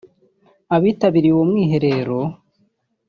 Abitabiriye uwo mwiherero